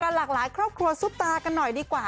หลากหลายครอบครัวซุปตากันหน่อยดีกว่า